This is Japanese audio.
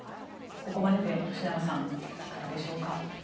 ここまでで吉永さんいかがでしょうか。